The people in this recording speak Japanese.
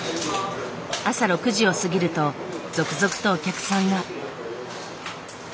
朝６時を過ぎると続々とお客さんが。